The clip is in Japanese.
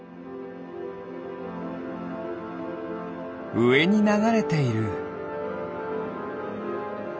うえにながれている。